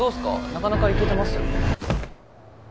なかなかいけてますよ。